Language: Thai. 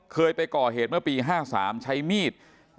เคยไปก่อเหตุเมื่อปี๕๓ใช้มีด